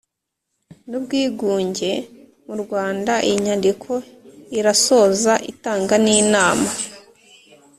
N ubwigunge mu rwanda iyi nyandiko irasoza itanga n inama